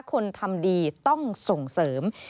คนทำดีต้องส่งเสริม